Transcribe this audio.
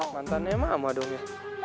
mantannya emang sama dong ya